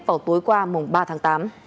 vào tối qua mùng ba tháng tám